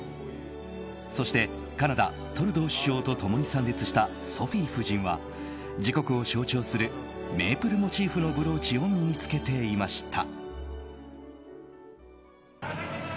そして、カナダトルドー首相と共に参列したソフィ夫人は、自国を象徴するメープルモチーフのブローチを身に着けていました。